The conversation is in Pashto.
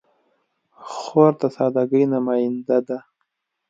خور د سادګۍ نماینده ده.